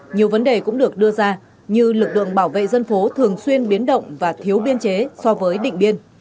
nhiều vấn đề cũng được đưa ra như lực lượng bảo vệ dân phố thường xuyên biến động và thiếu biên chế so với định biên